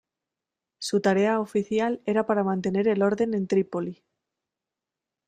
Su tarea oficial era para mantener el orden en Trípoli.